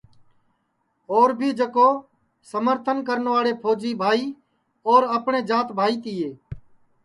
اور بھی جکو سمرتن کرنواڑے پھوجی اور اپٹؔے جات بھائی تیے